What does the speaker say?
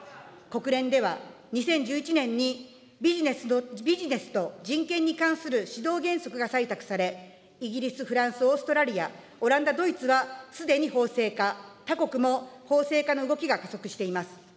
国連では、２０１１年に、ビジネスと人権に関する指導原則が採択され、イギリス、フランス、オーストラリア、オランダ、ドイツはすでに法制化、他国も法制化の動きが加速しています。